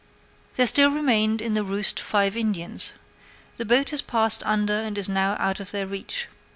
There still remained in the roost five Indians. The boat has passed under and is now out of their reach.